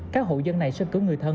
các hộ dân này xin cứu người thân